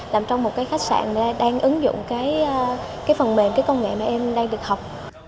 làm trong một khách sạn đang ứng dụng phần mềm công nghệ mà em đang được học